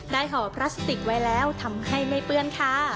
ห่อพลาสติกไว้แล้วทำให้ไม่เปื้อนค่ะ